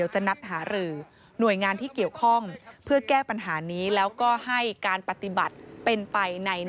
ใช่ค่ะ